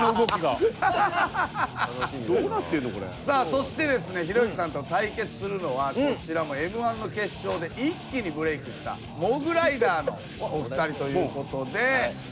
さあそしてですねひろゆきさんと対決するのはこちらもＭ−１の決勝で一気にブレークしたモグライダーのお二人という事で。